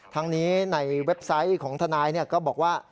ทั้งนี้ในเว็บไซต์ของทนายก็บอกว่า